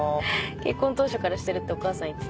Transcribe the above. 結婚当初からしてるってお母さん言ってた。